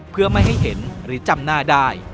เพื่อไม่ให้เห็นหรือจำหน้าได้